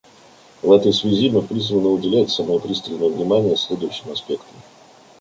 В этой связи мы призваны уделять самое пристальное внимание следующим аспектам.